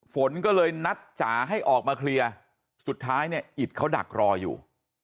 ฝนก็เลยนัดจ๋าให้ออกมาเคลียร์สุดท้ายเนี่ยอิตเขาดักรออยู่